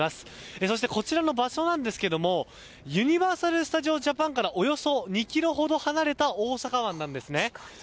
そしてこちらの場所ですがユニバーサル・スタジオ・ジャパンからおよそ２ｋｍほど離れた大阪湾なんですね。